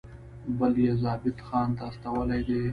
بل یې ضابطه خان ته استولی دی.